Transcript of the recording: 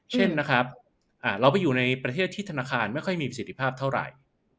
เช่นนะครับเราไปอยู่ในประเทศที่ธนาคารไม่ค่อยมีประสิทธิภาพเท่าไหร่